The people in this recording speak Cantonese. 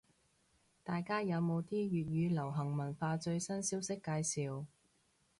大家有冇啲粵語流行文化最新消息介紹？